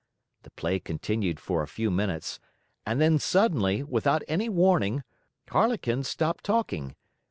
The play continued for a few minutes, and then suddenly, without any warning, Harlequin stopped talking.